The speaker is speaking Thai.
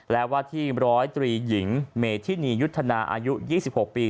และว่าที่ร้อยตรีหญิงเมธินียุทธนาอายุ๒๖ปี